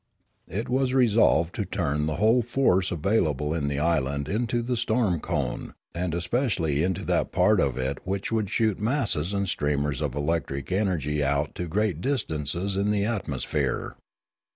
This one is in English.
It was resolved to turn the whole force available in the island into the storm cone, and especially into that part of it which could shoot masses and streamers of electric energy out to great distances in the atmo sphere.